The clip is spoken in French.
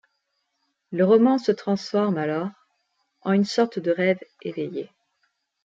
Le roman se transforme alors en une sorte de rêve éveillé.